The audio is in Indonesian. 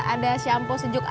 ada shampoo sejuk adem